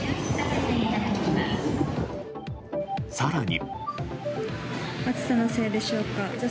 更に。